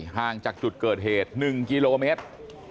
ห่างจากจุดเกิดเหตุ๑กิโลเมตร